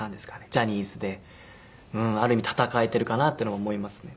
ジャニーズである意味闘えてるかなっていうのは思いますね。